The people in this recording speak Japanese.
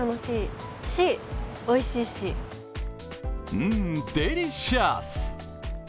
うん、デリシャス！